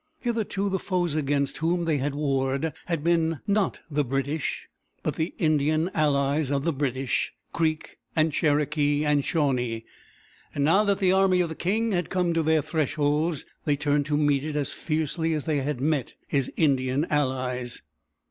Hitherto the foes against whom they had warred had been not the British, but the Indian allies of the British, Creek, and Cherokee, and Shawnee. Now that the army of the king had come to their thresholds, they turned to meet it as fiercely as they had met his Indian allies.